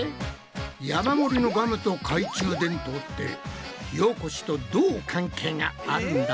山盛りのガムと懐中電灯って火おこしとどう関係があるんだ？